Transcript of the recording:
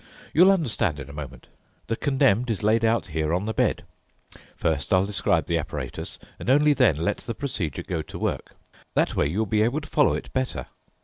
You'll understand in a moment. The condemned is laid out here on the bed. First, I'll describe the apparatus and only then let the procedure go to work. That way you'll be able to follow it better.